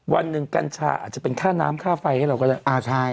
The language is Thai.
วันหนึ่งกัญชาอาจจะเป็นค่าน้ำค่าไฟให้เราก็ได้